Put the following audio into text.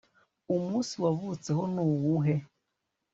umunsi wavutseho nuwuhe